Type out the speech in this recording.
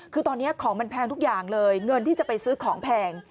คือตอนนี้ของมันแพงทุกอย่างเลยเงินที่จะไปซื้อของแพง